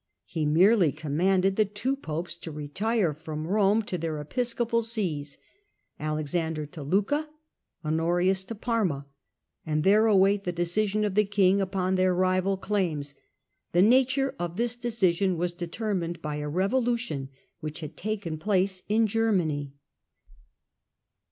He merely commanded the two popes to retire from Rome to their episcopal sees: Alexander to Lucca, Honorius to Parma, and there await the decision of the king upon their rival claims. The nature of this decision was determined by a revolution which had taken place in Germany.